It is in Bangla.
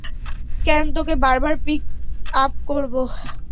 কেন তোকে বার বার পিক আপ করব?